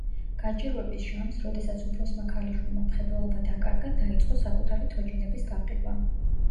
გაჭირვების ჟამს, როდესაც უფროსმა ქალიშვილმა მხედველობა დაკარგა, დაიწყო საკუთარი თოჯინების გაყიდვა.